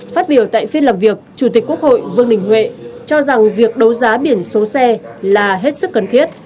phát biểu tại phiên làm việc chủ tịch quốc hội vương đình huệ cho rằng việc đấu giá biển số xe là hết sức cần thiết